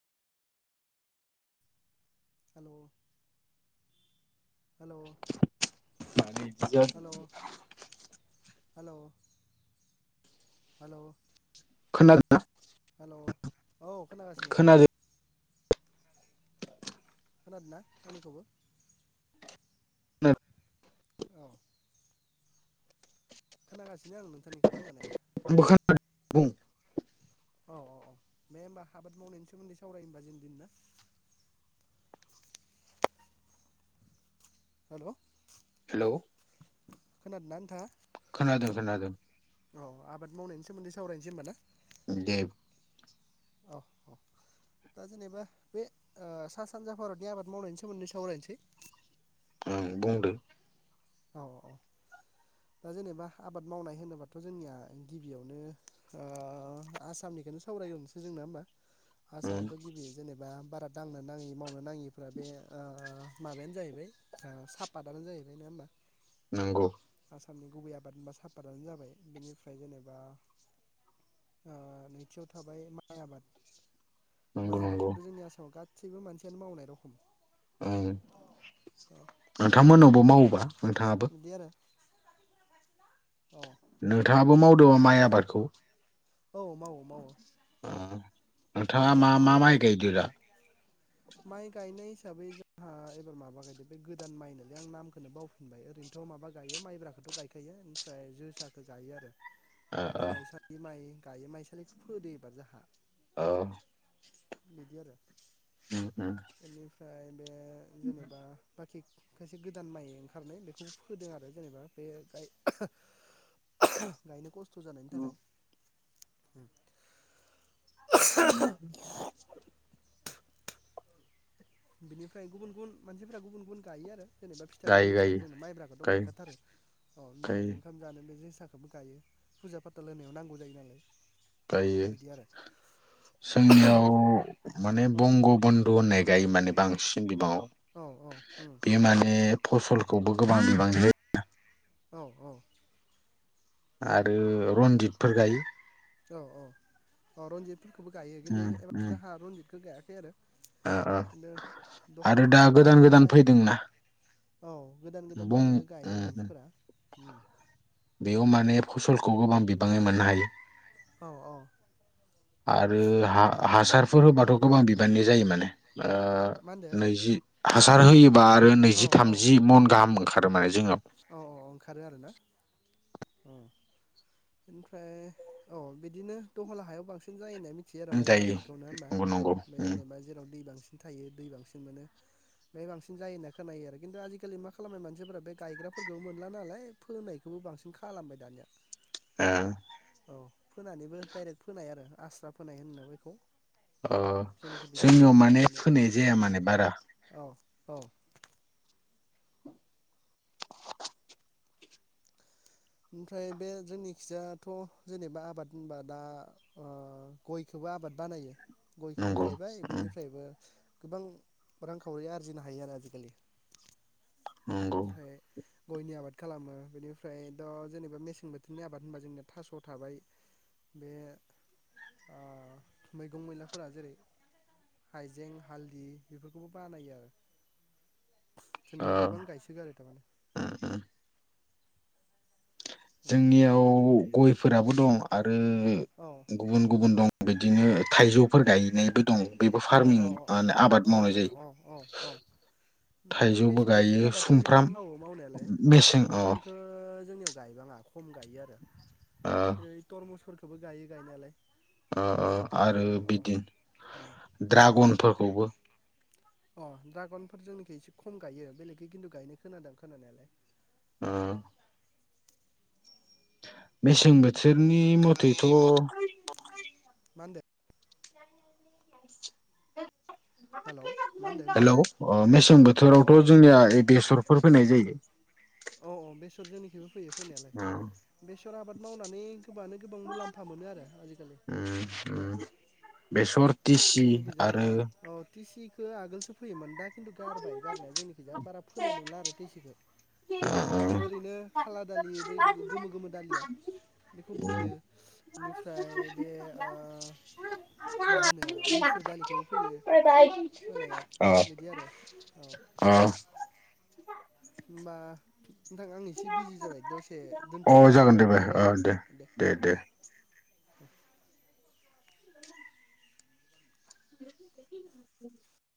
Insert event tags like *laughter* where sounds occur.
हेल'। Hello मानो बिदि जादों हेल' हेल' हेल'। खोना हेल' औ खोनागासिनो नोंथां। खोनादों आंबो खोनादों ना आंनिखौबो? *unintelligible* औ। खोनागासि नो आं नोंथांनिखौ खोनानाय *unintelligible* बुं औ औ औ दे होनबा आबाद मावनायनि सोमोन्दै सावरायनो होनबा जों दिनै ना। Hello hello. खोनादोंना नोंथाङा? खोनादों खोनादों। औ आबाद मावनायनि सोमोन्दै सावरायनोसै होमबा ना। दे। औ औ दा जेनेबा बे ओ सा सानजा भारतनि आबाद मावनायनि सोमोन्दै सावरायनोसै। ओं बुंदो। औ औ दा जेनेबा आबाद मावनाय होनोबाथ' जोंनिया गिबियावनो ओ आसामनिखोनो सावरायगोरनोसै जोंना होमबा। ओम आसामावथ' गिबि जेनेबा भारत दांनो मावनो नाङिफ्रा बे ओ माबायानो जाहैबाय ओ साफादानो जाहैबाय नङा होमबा नंगौ आसामनि गुबै आबाद होनबा साफादानो जाबाय बेनिफ्राय जेनेबा ओ नैथियाव थाबाय माइ आबाद नंगौ माइ नंगौ आबादखौथ' जोंनि आसामाव गा सैबो मानसियानो मावनाय रखम ओं औ नोंथांमोननावबो मावो बा बिदि आरो औ नोंथाङाबो माव दङ माइ आबादखौ। औ मावो मावो आ माइ नोंथाङा आबाद मा मा मावो आरो माइ गायदो दा? माइ गायनाय हिसाबै जोंहा एबार माबा गायदों बे गोदान माइनोलोय आं नामखौनो बावफिनबाय ओरैनोथ' माबा गायो माइब्राखौथ' गायखायो ओमफ्राय जोसाखो गायो आरो। ओ ओ ओमफ्राय माइसा माइ गायो माइसालिखौ फोदो एबार जाहा औ बिदि आरो *unintelligible* बेनिफ्राय बे जेनेबा *inaudible* खायसे गोदान माइ ओंखारनाय बेखौ फोदों आरो जेनेबा बे गायनो खस्थ' खस्थ' जानायनि थाखाय उ *unintelligible* बिनिफ्राय गुबुन गुबुन मानसिफोरा गुबुन गुबुन गायो आरो जेनेबा फिथाइ गायो जानाय गायो हिसाबै जोङो माइब्राखौथ' गायो गायखाथारो अ ओमफ्राय गायो ओंखाम जानो बे *unintelligible* गायो फुजा फाथाल होनायाव नांगौ जायो नालाय गायो बिदि आरो जोंनियाव माने अ बंग बधु होननाय गायो माने बांसिन बिबाङाव औ औ उम बि माने फसलखौबो गोबां बिबां जायो औ औ आरो रन्जितफोर गायो औ औ अ रन्जित फोरखौबो गायो खिन्थु उम एबा उम जहा रनजितखौ गायाखै थे आरो। ओ ओ बिनो दख्ला आरो दा हायाव गोदान बांसिन गोदान फैदोंना जायो औ गोदान गोदान बं फैनायखाय गायदों उम उम मानसिफोरा। बेयाव माने फसलखौ गोबां बिबाङै मोननो हायो। औ औ आरो हासारफोर होबाथ' गोबां बिबाननि जायो माने मा होनदो नैजि हासार होयोबा आरो औ नैजि औ थामजि मन गाहाम ओंखारो माने जोङो उम। ओमफ्राय औ बिदिनो दहला हायाव बांसिन। जायो होनना मिथियो आरो माइ जायो आबादखौनो ना होनबा नंगौ नंगौ औ बे उम जेनेबा जेराव दै बांसिन बांसिन थायो दै बांसिन मोनो बेमाय बांसिन जायो होनना खोनायो आरो खिन्थु आजिखालि मा खालामनाय मानसिफोरा बे गायग्राफोरखौबो मोनला नालाय फोनायखौबो बांसिन खालामबाय दानिया आ। औ फोनानैबो डाइरेक्ट फोनाय आरो। आस्रा फोनाय होननो बेखौ। अ जोंनिखि बिदि जोंनियाव खालामो आरो माने दानिया फोनाय जाया माने बारा। औ औ। ओमफ्राय बे जोंनि खिजायाथ' जेनेबा आबाद होनबा दा ओ गयखौबो आबाद बानायो। गयखौबो नंगौ गायबाय उम बेनिफ्रायबो गोबां रांखावरि आरजिनो हायो आरो आजिखालि नंगौ ओमफ्राय गयनि आबाद खालामो बेनिफ्राय द' जेनेबा मेसें बोथोरनि आबाद होनबा जोंनिया थास' थाबाय बे ओ मैगं मैलाफोरा जेरै हाइजें हालदि बेफोरखौबो बानायो आरो। ओ जेनिखि गोबां गायसै माने उम उम जोंनियाव गयफोराबो दं आरो औ आरो गुबुन गुबुन दं बिदिनो थाइजौफोर गायनायबो दं। बेबो औ फार्मिं औ औ औ ओ औ आबाद मावनाय जायो। औ औ औ ओमफ्राय बे थाइजौबो मेसें बोथोरनि गायो आबादफोरखौबोथ' सुमफ्राम मावो मावनायालाय औ मेसें अ ओ सुमफ्रामखौ जोंनियाव गायबाङा खम गायो आरो। ओरै टरमसफोरखौ। खौबो गायो गायनायालाय अ' अ' बिदि आरो अ उम बिदिनो दड्रागनफोरखौबो। अ' ड्रागनफोर जोंनिखि एसे खम गायो बेलेखै खिन्थु गायनाय खोनादों खोनानायालाय। ओ औ। मेसें बोथो थोरनि मथेथ' मा होनदों? हेलौ मा होनदों नोंथां हेलौ अ मेसें औ औ बोथोरावथ' जोंनिया ए बेसर फोर फोनाय जायो। औ औ बेसर जोंनिखिबो फैयो फोननायालाय ओ बेसर आबाद मावनानै गोबाङानो गोबां मुलाम्फा मोनो आरो आजिखालि उम औ। उम बेसर टिसि जोंनिखिजा आरो अ औ दिसि बियो आगोलसो फैयोमोन दा खिन्थु गारबाय गारनाया जोंनिखैजा बारा फोनाय नुला आरो दिसिखौ ओ बिदिनो ओरैनो ओ खाला दालि बे गोमो गोमो दालिया बेखौ उम फोयो। बेनिफ्राय बे ओ मा होनो मुसुर दालिखौबो फोयो अ फोनाया बिदि आरो अ होनबा नोंथां आं एसे बिजि जाबाय दसे अ दोनथ'नोसै नामा जागोन दे बाय दायो ओ रायलायफिनोसै दे औ औ *inaudible*